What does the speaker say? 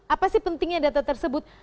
apa sih pentingnya data tersebut